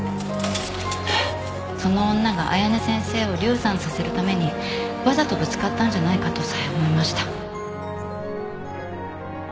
その女が綾音先生を流産させるためにわざとぶつかったんじゃないかとさえ思いました